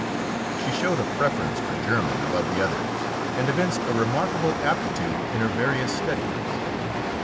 She showed a preference for German above the others, and evinced a remarkable aptitude in her various studies.